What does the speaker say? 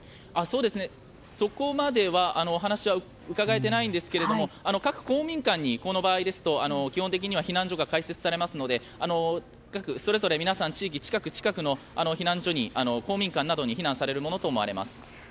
そこまでの話は伺えていませんが各公民館にこの場合ですと、基本的には避難所が開設されますのでそれぞれ皆さん地域の近くにある避難所、公民館などに避難されるものと思われます。